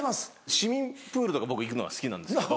市民プールとか僕行くのが好きなんですけど。